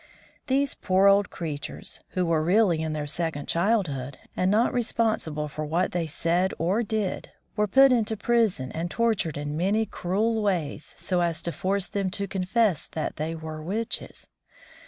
These poor old creatures, who were really in their second childhood, and not responsible for what they said or did, were put into prison, and tortured in many cruel ways, so as to force them to confess that they were witches.